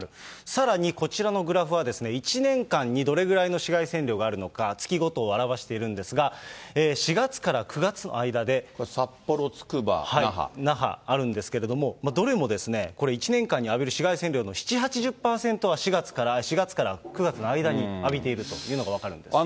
さらにこちらのグラフは、１年間にどれぐらいの紫外線量があるのか、月ごとを表しているんですが、札幌、つくば、那覇、あるんですけれども、どれもこれ、１年間に浴びる紫外線量の７、８０％を４月から９月の間に浴びているというのが分かるんです。